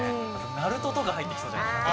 『ＮＡＲＵＴＯ』とか入ってきそうじゃないですか？